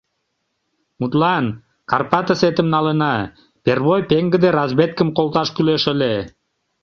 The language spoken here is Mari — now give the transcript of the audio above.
Мутлан, Карпатысетым налына: пӧрвой пеҥгыде разведкым колташ кӱлеш ыле...